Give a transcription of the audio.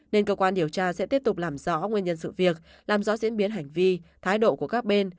nên cơ quan điều tra sẽ tiếp tục làm rõ nguyên nhân sự việc làm rõ diễn biến hành vi thái độ của các bên